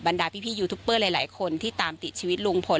ดาพี่ยูทูปเปอร์หลายคนที่ตามติดชีวิตลุงพล